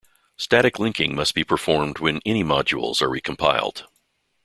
Static linking must be performed when any modules are recompiled.